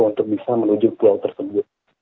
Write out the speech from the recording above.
untuk bisa menuju pulau tersebut